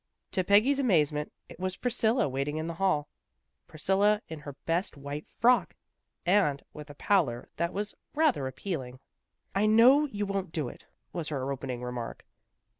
To Peggy's amazement it was Priscilla waiting in the hall, Priscilla in her best white frock, and with a pallor that was rather appeal ing. " I know you won't do it," was her opening remark.